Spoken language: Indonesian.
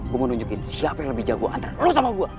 gue mau nunjukin siapa yang lebih jago antra lo sama gue